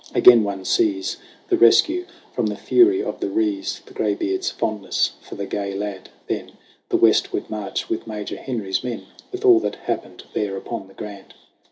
Again one sees The rescue from the fury of the Rees, The graybeard's fondness for the gay lad ; then The westward march with Major Henry's men With all that happened there upon the Grand.